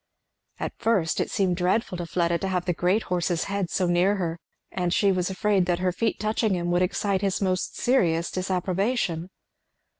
At first it seemed dreadful to Fleda to have that great horse's head so near her, and she was afraid that her feet touching him would excite his most serious disapprobation.